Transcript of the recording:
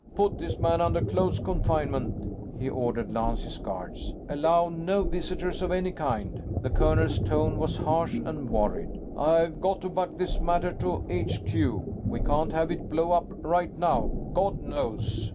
"Put this man under close confinement," he ordered Lance's guards. "Allow no visitors of any kind." The colonel's tone was harsh and worried. "I've got to buck this matter to HQ. We can't have it blow up right now, God knows."